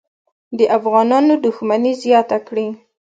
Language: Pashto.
د افغانانو دښمني زیاته کړي.